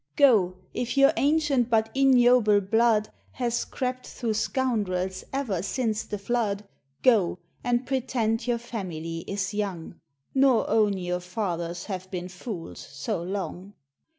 Go ! if your ancient but ignoble blood Has crept through scoundrels ever since the flood, Go ! and pretend your family is young, Nor own your fathers have been fools so long.